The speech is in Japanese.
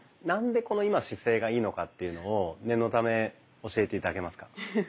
なんでこの姿勢がいいのかっていうのを念のため教えて頂けますか？